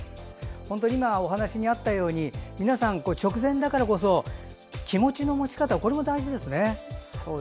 今お話にあったように皆さん、直前だからこそ気持ちの持ち方も大事ですね。